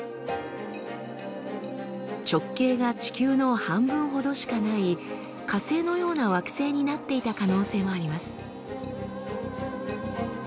直径が地球の半分ほどしかない火星のような惑星になっていた可能性もあります。